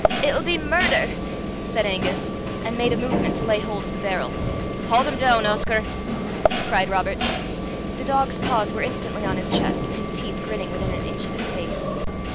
"It'll be murder," said Angus, and made a movement to lay hold of the barrel. "Haud him doon, Oscar," cried Robert. The dog's paws were instantly on his chest, and his teeth grinning within an inch of his face.